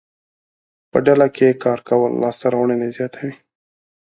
په ډله کې کار کول لاسته راوړنې زیاتوي.